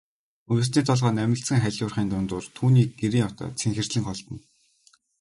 Өвсний толгой намилзан халиурахын дундуур түүний гэрийн утаа цэнхэрлэн холдоно.